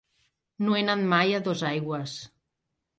No he anat mai a Dosaigües.